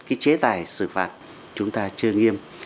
cái chế tài xử phạt chúng ta chưa nghiêm